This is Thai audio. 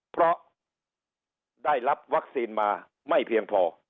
เพราะได้รับวัคซีนมาไม่เพียงพอ